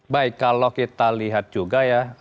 baik kalau kita lihat juga ya